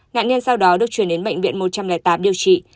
nạn nhân sau đó được chuyển đến bệnh viện một trăm linh tám điều trị